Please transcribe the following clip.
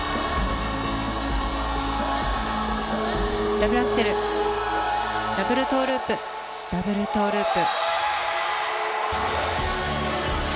ダブルアクセルダブルトウループダブルトウループ。